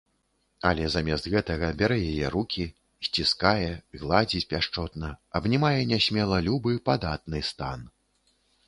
Але замест гэтага бярэ яе рукі, сціскае, гладзіць пяшчотна, абнімае нясмела любы, падатны стан.